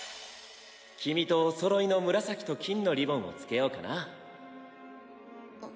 君とおそろいの紫と金のリボンを付けようんっ。